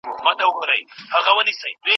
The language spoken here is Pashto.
لښتې د صبر او زغم کلا جوړه کړه.